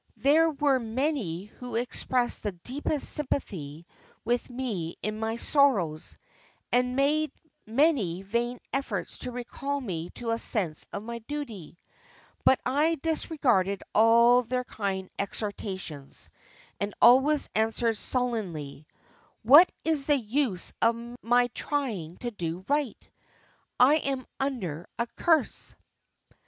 There were many who expressed the deepest sympathy with me in my sorrows, and made many vain efforts to recall me to a sense of my duty. But I disregarded all their kind exhortations, and always answered sullenly, 'What is the use of my trying to do right? I am under a curse.